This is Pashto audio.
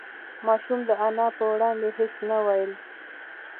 ماشوم د انا په وړاندې هېڅ نه ویل.